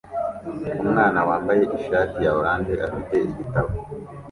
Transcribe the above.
Umwana wambaye ishati ya orange afite igitabo